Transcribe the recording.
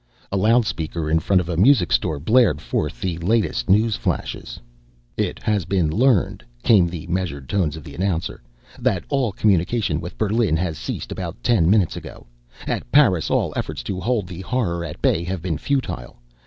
A loudspeaker in front of a music store blared forth the latest news flashes. "It has been learned," came the measured tones of the announcer, "that all communication with Berlin ceased about ten minutes ago. At Paris all efforts to hold the Horror at bay have been futile.